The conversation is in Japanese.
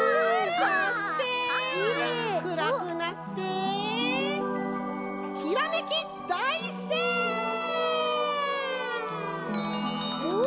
そしてくらくなってひらめきだいせいうん！